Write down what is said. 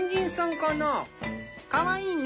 かわいいね！